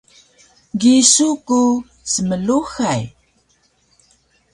gisu ku smluhay